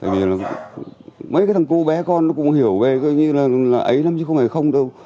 mấy thằng cô bé con cũng hiểu về như là ấy lắm chứ không phải không đâu